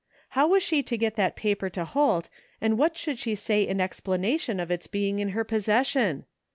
How was she to get that paper to Holt and what should she say in explanation of its being in her possession?